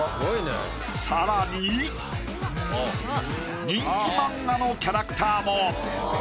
さらに人気漫画のキャラクターも。